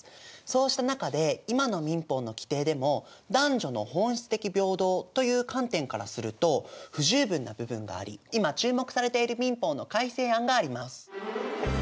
そうした中で今の民法の規定でも男女の本質的平等という観点からすると不十分な部分があり今注目されている民法の改正案があります。